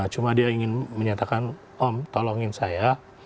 cuma dia ingin menyatakan om tolongin saya